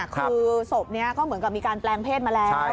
คือศพนี้ก็เหมือนกับมีการแปลงเพศมาแล้ว